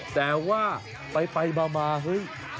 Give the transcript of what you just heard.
แต่ว่าไปมาเฮ้ย